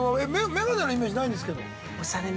眼鏡のイメージないんですけど。